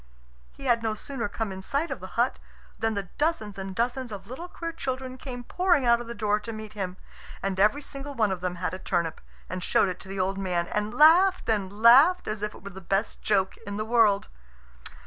He had no sooner come in sight of the hut than the dozens and dozens of little queer children came pouring out of the door to meet him. And every single one of them had a turnip, and showed it to the old man, and laughed and laughed as if it were the best joke in the world.